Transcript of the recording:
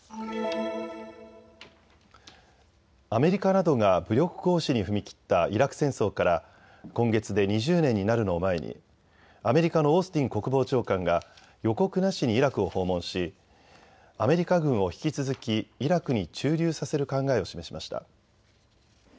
アメリカなどが武力行使に踏み切ったイラク戦争から今月で２０年になるのを前にアメリカのオースティン国防長官が予告なしにイラクを訪問しアメリカ軍を引き続きイラクに駐留させる考えを示しました。